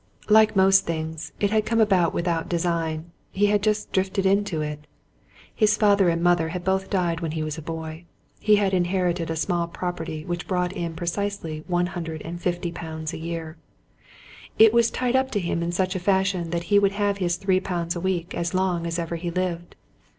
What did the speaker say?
Like most things, it had come about without design: he had just drifted into it. His father and mother had both died when he was a boy; he had inherited a small property which brought in precisely one hundred and fifty pounds a year: it was tied up to him in such a fashion that he would have his three pounds a week as long as ever he lived.